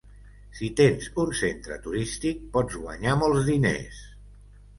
Si tens un centre turístic, pots guanyar molts diners.